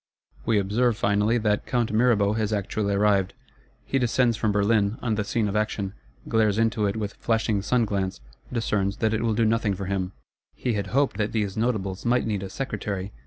We observe finally, that Count Mirabeau has actually arrived. He descends from Berlin, on the scene of action; glares into it with flashing sun glance; discerns that it will do nothing for him. He had hoped these Notables might need a Secretary.